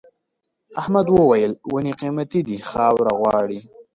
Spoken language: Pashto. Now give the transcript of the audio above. احمد وويل: ونې قيمتي دي خاوره غواړي.